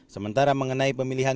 sementara mengenai pemilihan